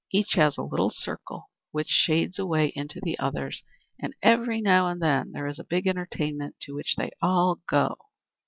Each has its little circle which shades away into the others, and every now and then there is a big entertainment to which they all go."